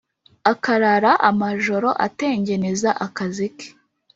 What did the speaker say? akarara amajoro atengeneza akazi ke.